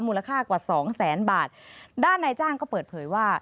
มูลค่ากว่า๒๐๐๐๐๐บาทด้านในจ้างก็เปิดเผยว่า